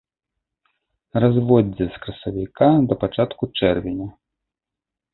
Разводдзе з красавіка да пачатку чэрвеня.